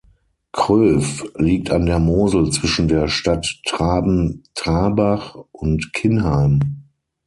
Kröv liegt an der Mosel zwischen der Stadt Traben-Trarbach und Kinheim.